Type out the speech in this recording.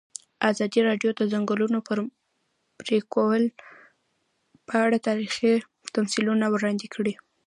ازادي راډیو د د ځنګلونو پرېکول په اړه تاریخي تمثیلونه وړاندې کړي.